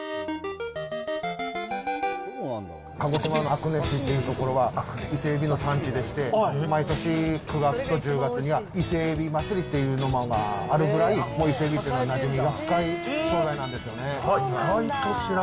鹿児島の阿久根市という所は、伊勢エビの産地でして、毎年９月と１０月には、伊勢えび祭りっていうものがあるぐらい、もう伊勢エビというのは、なじみが深い食材なんですよね。